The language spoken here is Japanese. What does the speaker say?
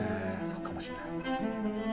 そうかもしれない。